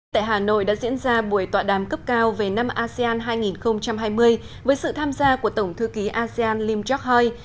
tại hà nội đã diễn ra buổi tọa đàm cấp cao về năm asean hai nghìn hai mươi với sự tham gia của tổng thư ký asean lim chok hoi